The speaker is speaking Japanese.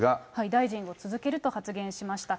大臣を続けると発言しました。